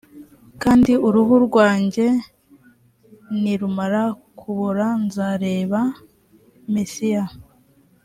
kandi uruhu rwanjye nirumara kubora nzareba mesiya